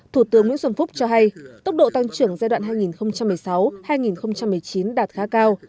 thủ tướng nguyễn xuân phúc cho hay tốc độ tăng trưởng giai đoạn hai nghìn một mươi sáu hai nghìn một mươi chín đạt khá cao